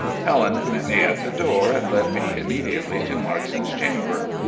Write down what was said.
Helen met me at the door, and led me immediately to Markson's chamber.